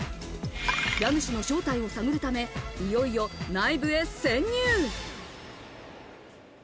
家主の正体を探るため、いよいよ内部へ潜入。